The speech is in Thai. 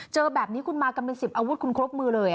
เจอแบบนี้คุณมากันเป็น๑๐อาวุธคุณครบมือเลย